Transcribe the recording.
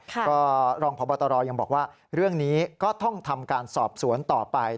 ก็รองพบตรยังบอกว่าเรื่องนี้ก็ต้องทำการสอบสวนต่อไป